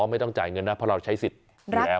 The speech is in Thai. ไม่ต้องจ่ายเงินนะเพราะเราใช้สิทธิ์อยู่แล้ว